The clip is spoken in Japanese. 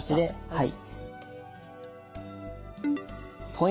はい。